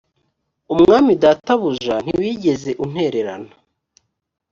umwami databuja ntiwigeze untererana